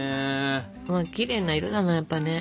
うわきれいな色だねやっぱね。